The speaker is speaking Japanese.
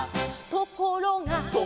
「ところが」